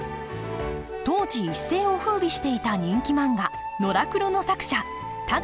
当時一世をふうびしていた人気漫画「のらくろ」の作者田河